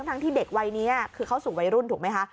ที่เด็กวัยนี้คือเข้าสู่วัยรุ่นถูกไหมคะ